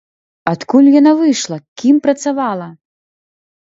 Адкуль яна выйшла, кім працавала?